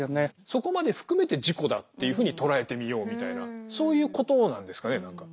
そこまで含めて自己だっていうふうに捉えてみようみたいなそういうことなんですかね何か。